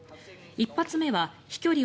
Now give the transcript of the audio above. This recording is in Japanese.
１発目は飛距離